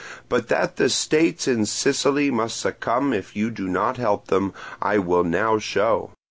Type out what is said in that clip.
But that the states in Sicily must succumb if you do not help them, I will now show.